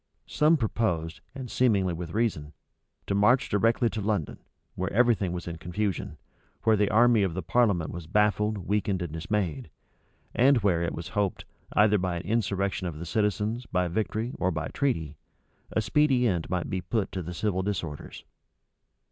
Some proposed, and seemingly with reason, to march directly to London, where every thing was in confusion, where the army of the parliament was baffled, weakened, and dismayed, and where, it was hoped, either by an insurrection of the citizens, by victory, or by treaty, a speedy end might be put to the civil disorders.